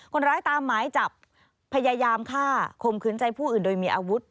ตามหมายจับพยายามฆ่าข่มขืนใจผู้อื่นโดยมีอาวุธ